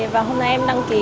và hôm nay em đăng ký